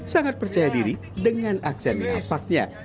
sangat percaya diri dengan aksen nampaknya